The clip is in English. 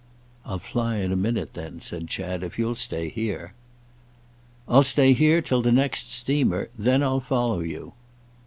"I'll fly in a minute then," said Chad, "if you'll stay here." "I'll stay here till the next steamer—then I'll follow you."